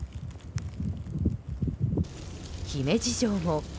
姫路城も。